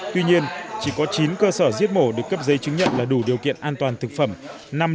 tuy nhiên chỉ có chín cơ sở giết mổ được cấp giấy chứng nhận là đủ điều kiện an toàn thực phẩm